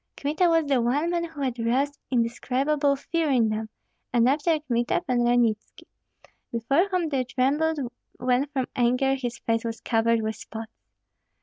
Kmita was the one man who had roused indescribable fear in them, and after Kmita, Pan Ranitski, before whom they trembled when from anger his face was covered with spots.